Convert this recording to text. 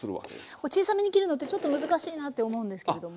こう小さめに切るのってちょっと難しいなって思うんですけれども。